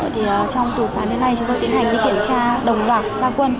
trong tuần sáng đến nay chúng tôi tiến hành đi kiểm tra đồng loạt gia quân